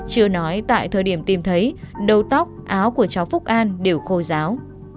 chưa nói tại thời điểm tìm thấy đầu tóc áo của cháu phúc an đều khô giáo